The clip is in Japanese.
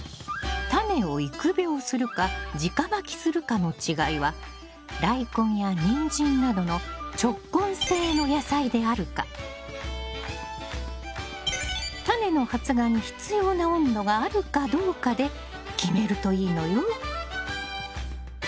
タネを育苗するか直まきするかの違いはダイコンやニンジンなどの直根性の野菜であるかタネの発芽に必要な温度があるかどうかで決めるといいのよ。